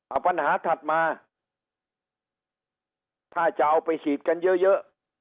เอาปัญหาถัดมาถ้าจะเอาไปฉีดกันเยอะเยอะ